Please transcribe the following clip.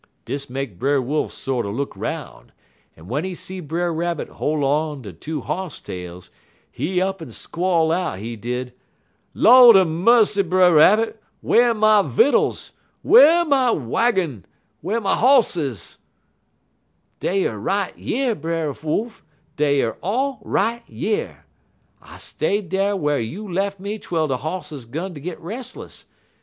"Dis make Brer Wolf sorter look 'roun', en w'en he see Brer Rabbit hol'in' on ter de two hoss tails, he up'n squall out, he did: "'Lawdy mussy, Brer Rabbit! Whar my vittles? Whar my waggin? Whar my hosses?' "'Dey er all right yer, Brer Wolf; dey er all right yer. I stayed dar whar you lef' me twel de hosses gun ter git restless.